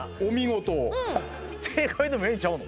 正解でもええんちゃうの？